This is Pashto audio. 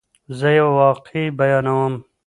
زه یوه واقعه بیانوم.